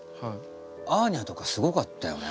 アーニャとかすごかったよね。